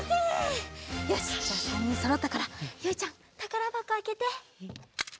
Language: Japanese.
よしじゃあ３にんそろったからゆいちゃんたからばこあけて。